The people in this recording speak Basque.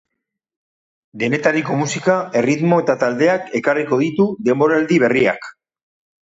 Denetariko musika, erritmo eta taldeak ekarriko ditu denboraldi berriak.